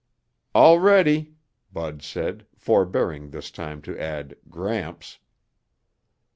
"All ready," Bud said, forebearing this time to add "Gramps."